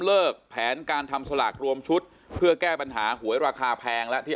แผนการทำสลากรวมชุดเพื่อแก้ปัญหาหวยราคาแพงและที่